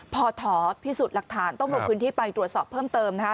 พอถอพิสูจน์หลักฐานต้องลงพื้นที่ไปตรวจสอบเพิ่มเติมนะคะ